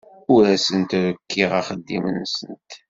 Ur asent-rekkiɣ axeddim-nsent.